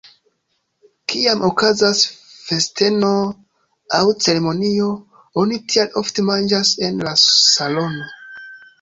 Kiam okazas festeno aŭ ceremonio, oni tial ofte manĝas en la salono.